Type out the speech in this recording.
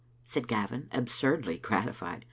said Gavin, absurdly gratified.